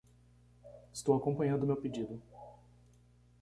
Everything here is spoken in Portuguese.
Estou acompanhando meu pedido.